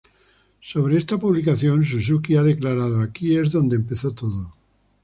Sobre esta publicación Suzuki ha declarado: "aquí es donde empezó todo".